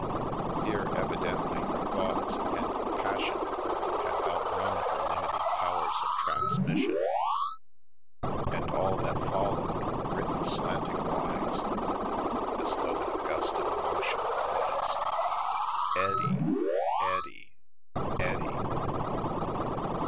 Here evidently her thoughts and the passion of her had outrun her limited powers of transmission, and all that followed, written slanting wise, as though in a gust of emotion, was :" eddie eddie eddie."